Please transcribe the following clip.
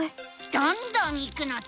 どんどんいくのさ！